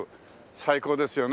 最高ですよね。